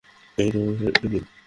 একটি অবিস্মরণীয় দিন!